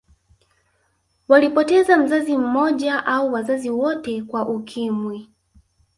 Walipoteza mzazi mmoja au wazazi wote kwa Ukimwi